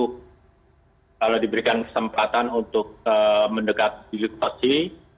kalau diberikan kesempatan untuk mendekati